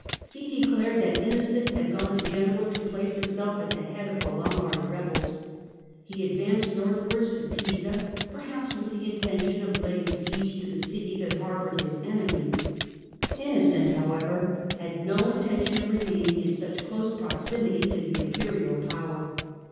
He declared that Innocent had gone to Genoa to place himself at the head of the Lombard rebels. He advanced northwards to Pisa, perhaps with the intention of laying siege to the city that harboured his enemy. Innocent, however, had no intention of remaining in such close proximity to the Imperial power.